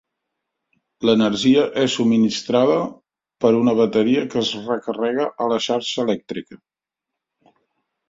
L'energia és subministrada per una bateria que es recarrega a la xarxa elèctrica.